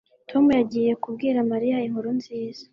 Tom yagiye kubwira Mariya inkuru nziza